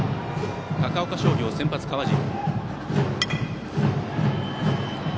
高岡商業、先発の川尻。